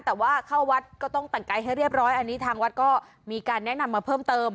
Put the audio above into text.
แต่ว่าเข้าวัดก็ต้องแต่งกายให้เรียบร้อยอันนี้ทางวัดก็มีการแนะนำมาเพิ่มเติม